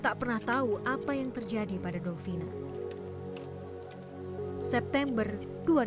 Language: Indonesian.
ambil kata kata tentangnya pasti ada hal berbeda